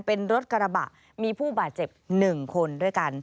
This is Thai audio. เป็นรถกระบะมีผู้บาดเจ็บ๑คนด้วยกัน